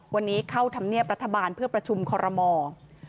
วันนี้เข้าธรรมเนียบรัฐบาลเพื่อประชุมคอรมอล์